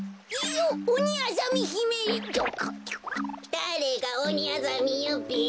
だれがオニアザミよべ。